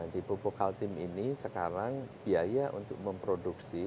di pupuk kaltim ini sekarang biaya untuk memproduksi